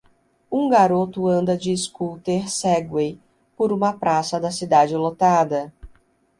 Um garoto anda de scooter Segway por uma praça da cidade lotada.